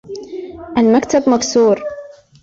المكتب مكسور.